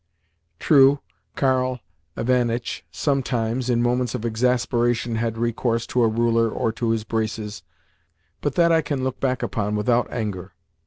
True, Karl Ivanitch sometimes (in moments of exasperation) had recourse to a ruler or to his braces, but that I can look back upon without anger.